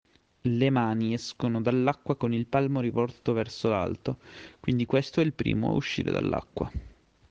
Le mani escono dall'acqua con il palmo rivolto verso l'alto, quindi questo è il primo ad uscire dall'acqua.